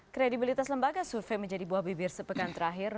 kredibilitas lembaga survei menjadi buah bibir sepekan terakhir